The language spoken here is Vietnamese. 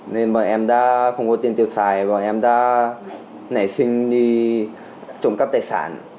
nên mà em đã không có tiền tiêu xài bọn em đã nảy sinh đi trộm cắp tài sản